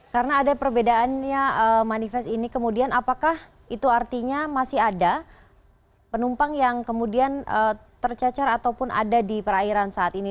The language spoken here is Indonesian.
karena ada perbedaannya manifest ini kemudian apakah itu artinya masih ada penumpang yang kemudian tercacar ataupun ada di perairan saat ini